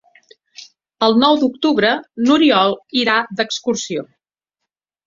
El nou d'octubre n'Oriol irà d'excursió.